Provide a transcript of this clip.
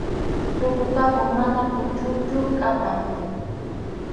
Tukukapun, mana puchunchu, kʼatam.